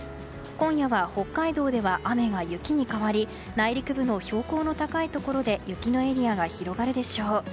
今夜は北海道では雨が雪に変わり内陸部の標高の高いところで雪のエリアが広がるでしょう。